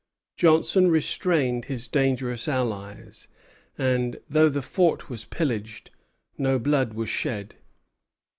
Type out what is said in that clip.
Johnson restrained his dangerous allies, and, though the fort was pillaged, no blood was shed.